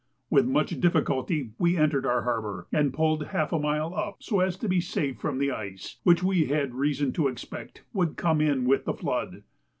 With much difficulty we entered our harbour, and pulled half a mile up, so as to be safe from the ice, which we had reason to expect would come in with the flood.